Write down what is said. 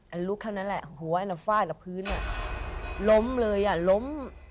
อันลุกครั้งนั้นแหละหัวอันฟ้าอันฟื้นอ่ะล้มเลยอ่ะล้ม